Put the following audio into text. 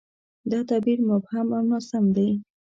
دا تعبیر مبهم او ناسم دی.